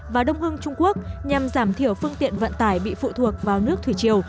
và đông hưng trung quốc nhằm giảm thiểu phương tiện vận tải bị phụ thuộc vào nước thủy chiều